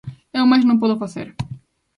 Eu máis non podo facer.